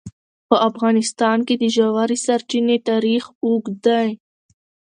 په افغانستان کې د ژورې سرچینې تاریخ اوږد دی.